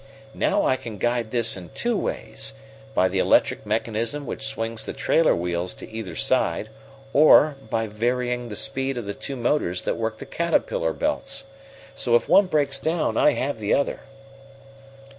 Now I can guide this in two ways: by the electric mechanism which swings the trailer wheels to either side, or by varying the speed of the two motors that work the caterpillar belts. So if one breaks down, I have the other."